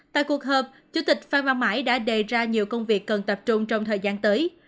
tại cuộc họp chủ tịch phan văn mãi đã đề ra nhiều công việc cần tập trung trong thời gian tới